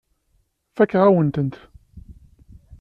Fakeɣ-awen-tent.